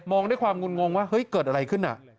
มองได้ความงุ่งว่าเกิดอะไรขึ้น